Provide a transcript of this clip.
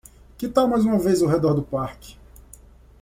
Que tal mais uma vez ao redor do parque?